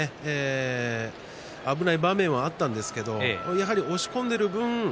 危ない場面はあったんですけども押し込んでいる分